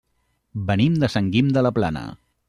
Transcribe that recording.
Venim de Sant Guim de la Plana.